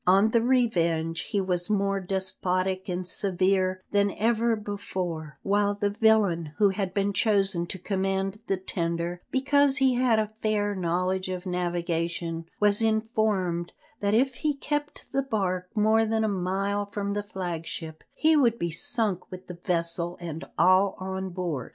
On the Revenge he was more despotic and severe than ever before, while the villain who had been chosen to command the tender, because he had a fair knowledge of navigation, was informed that if he kept the bark more than a mile from the flag ship, he would be sunk with the vessel and all on board.